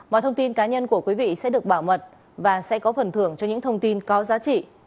mọi thông tin cá nhân của quý vị sẽ được bảo mật và sẽ có phần thưởng cho những thông tin có giá trị